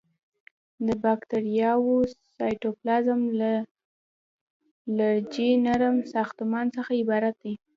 د باکتریاوو سایتوپلازم له لزجي نرم ساختمان څخه عبارت دی.